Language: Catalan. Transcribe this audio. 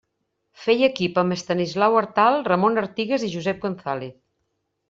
Feia equip amb Estanislau Artal, Ramon Artigas i Josep González.